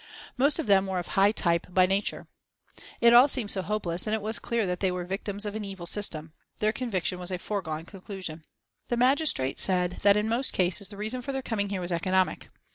Most of them were of high type by nature. It all seemed so hopeless, and it was clear that they were victims of an evil system. Their conviction was a foregone conclusion. The magistrate said that in most cases the reason for their coming there was economic.